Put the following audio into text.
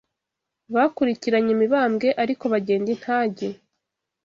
Bakurikiranye Mibambwe, ariko bagenda intage